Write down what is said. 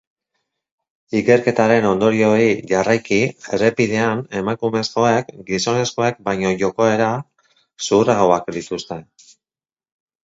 Ikerketaren ondorioei jarraiki, errepidean emakumezkoek gizonezkoek baino jokaera zuhurragoak dituzte.